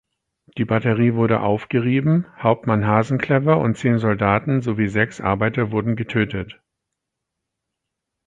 Die Batterie wurde aufgerieben, Hauptmann Hasenclever und zehn Soldaten sowie sechs Arbeiter wurden getötet.